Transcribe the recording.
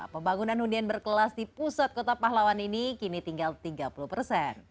pembangunan hundian berkelas di pusat kota pahlawan ini kini tinggal tiga puluh persen